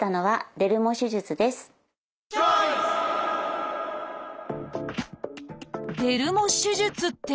「デルモ手術」って一体何？